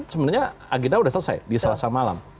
sebenarnya agenda sudah selesai di selasa malam